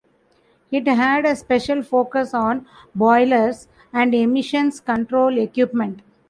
It had a special focus on boilers and emissions control equipment.